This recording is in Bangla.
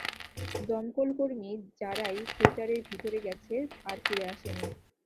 দমকলকর্মী যারাই থিয়েটারের ভিতরে গেছে, আর ফিরে আসেনি।